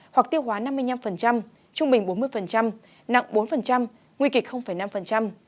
hoặc tiêu hóa năm mươi năm trung bình bốn mươi nặng bốn nguy kịch năm